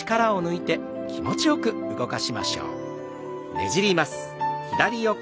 ねじります。